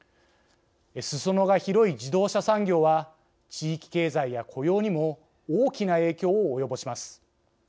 すそ野が広い自動車産業は地域経済や雇用にも大きな影響を及ぼします。